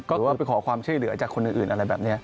หรือว่าไปขอความเชื่อเหลือจากคนอื่นอะไรแบบนี้